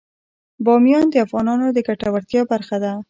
بامیان د افغانانو د ګټورتیا برخه ده.